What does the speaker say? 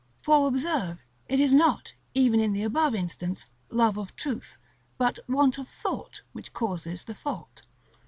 For, observe, it is not, even in the above instance, love of truth, but want of thought, which causes the fault.